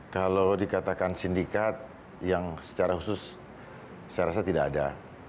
kalau dikatakan sindikat yang secara khusus saya rasa tidak ada